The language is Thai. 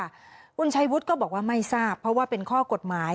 คุณชัยวุฒิก็บอกว่าไม่ทราบเพราะว่าเป็นข้อกฎหมาย